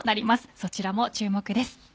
そちらも注目です。